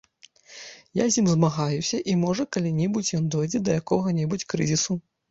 Я з ім змагаюся, і, можа, калі-небудзь ён дойдзе да якога-небудзь крызісу.